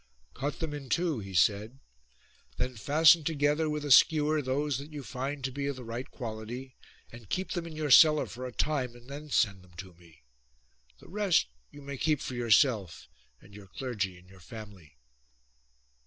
" Cut them in two," he said, " then fasten together with a skewer those that you find to be of the right quality and keep them in your cellar for a time and then send them to me. The rest you may keep for yourself and your clergy and your family."